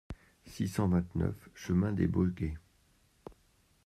six cent vingt-neuf chemin des Bogeys